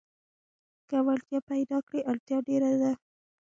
که وړتيا پيداکړې اړتيا ډېره ده.